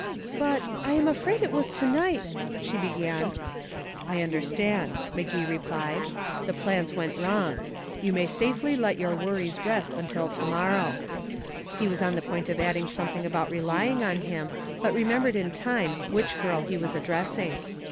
"But I am afraid it was to night " she began. "I understand," Magee replied. "The plans went wrong. You may safely let your worries rest until to morrow." He was on the point of adding something about relying on him, but remembered in time which girl he was addressing.